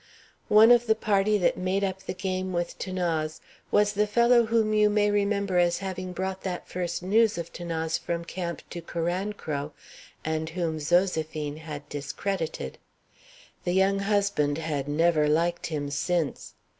One of the party that made up the game with 'Thanase was the fellow whom you may remember as having brought that first news of 'Thanase from camp to Carancro, and whom Zoséphine had discredited. The young husband had never liked him since.